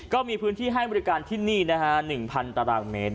ก็มีพื้นที่ให้บริการที่นี่๑๐๐๐ตรม